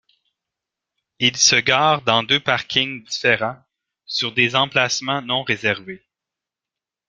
Ils se garent dans deux parkings différents sur des emplacements non-réservés.